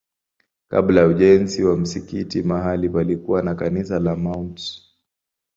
Kabla ya ujenzi wa msikiti mahali palikuwa na kanisa la Mt.